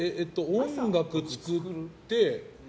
音楽作って。